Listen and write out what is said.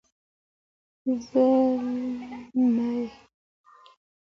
زرلېمه